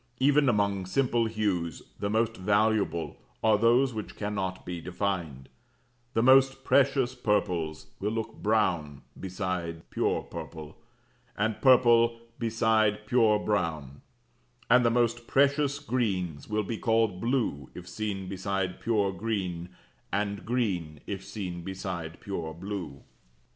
Even among simple hues the most valuable are those which cannot be defined; the most precious purples will look brown beside pure purple, and purple beside pure brown; and the most precious greens will be called blue if seen beside pure green, and green if seen beside pure blue.